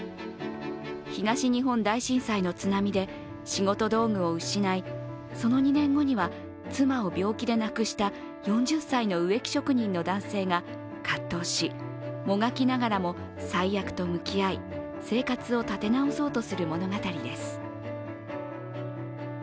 東日本大震災の津波で仕事道具を失いその２年後には妻を病気で亡くした４０歳の植木職人の男性が葛藤しもがきながらも災厄と向き合い、生活を立て直そうとする物語です。